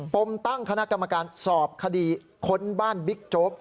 มตั้งคณะกรรมการสอบคดีค้นบ้านบิ๊กโจ๊ก